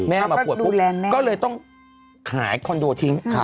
แม่มาป่วยปุ๊บก็เลยต้องขายคอนโดทิ้ง